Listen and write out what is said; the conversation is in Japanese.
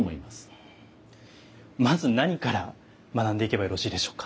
まず何から学んでいけばよろしいでしょうか。